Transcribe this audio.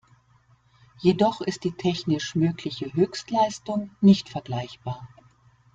Jedoch ist die technisch mögliche Höchstleistung nicht vergleichbar.